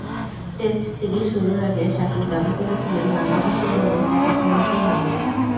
Test series শুরুর আগে সাকিব দাবি করেছিলেন, বাংলাদেশের বোলিং পাকিস্তানের চেয়ে ভালো।